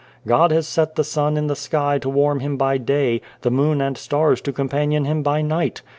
God has set the sun in the sky to warm him by day, the moon and stars to companion him by night.